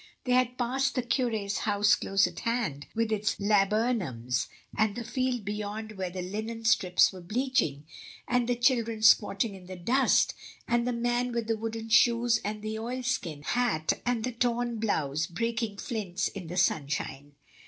They had passed the cure's house close at hand, with its laburnums, and the field beyond where the linen ST. DAMIAN AND OTHERS. 69 Strips were bleaching, and the children squatting in the dust, and the man with the wooden shoes and the oilskin hat and the torn blouse, breaking flints in the sunshine.